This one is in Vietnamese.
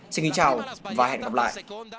xin chào và hẹn gặp lại